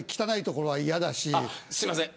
すみません